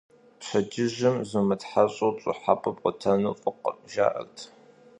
Пщэдджыжьым зумытхьэщӀу пщӀыхьэпӀэ пӀуэтэну фӀыкъым, жаӀэрт.